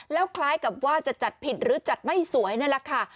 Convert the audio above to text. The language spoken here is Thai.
แล้วคล้ายกับว่าจะจัดผิดหรือจัดไม่สวยนี่แหละค่ะ